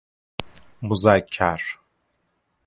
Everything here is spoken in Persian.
مذکر